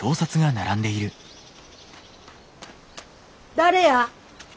誰や？